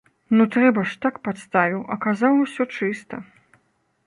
Ну трэба ж, так падставіў, а казаў усё чыста.